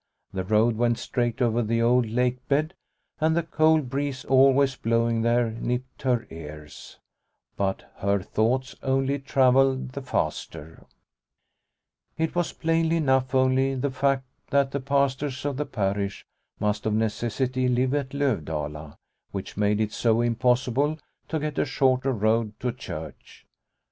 The road went straight over the old lake bed, and the cold breeze always blowing The Bride's Dance 99 there nipped her ears. But her thoughts only travelled the faster. It was plainly enough only the fact that the pastors of the parish must of necessity live at Lovdala, which made it so impossible to get a shorter road to church.